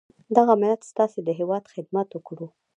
دغه ملت ستاسي د هیواد خدمت وکړو.